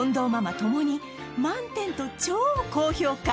共に満点と超高評価